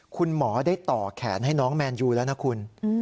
คุณหมอได้ต่อแขนให้น้องแมนยูแล้วนะคุณ